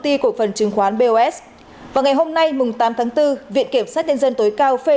ty cổ phần chứng khoán bos vào ngày hôm nay tám tháng bốn viện kiểm sát nhân dân tối cao phê